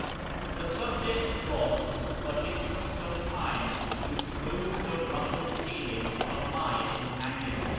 The subject dropped, but it took some time to smooth the jruffled feelings of my companion.